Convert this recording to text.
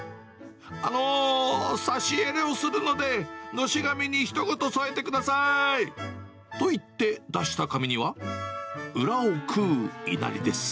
あのー、差し入れをするので、のし紙にひと言添えてください、と言って出した紙には、裏を食ういなりです。